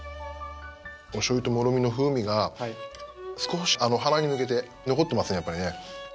おしょうゆともろみの風味が少し鼻に抜けて残ってますねやっぱりね。